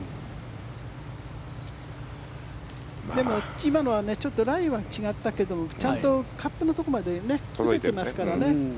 でも今のはちょっとラインは違ったけれどもちゃんとカップのところまで届いていますからね。